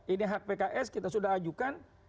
ini hak pks kita sudah ajukan